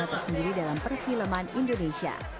tersendiri dalam perfilman indonesia